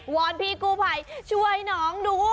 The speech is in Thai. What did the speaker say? อนพี่กู้ภัยช่วยน้องดู